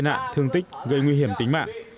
tại nạn thương tích gây nguy hiểm tính mạng